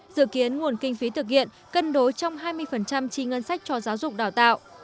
dự kiến nguồn kinh phí thực hiện cân đối trong hai mươi chi ngân sách cho giáo dục đào tạo